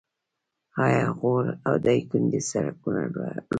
آیا غور او دایکنډي سړکونه لري؟